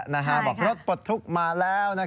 บอกรถปลดทุกข์มาแล้ว